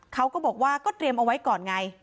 เขาก็บอกว่าก็เตรียมเอาไว้ก่อนไง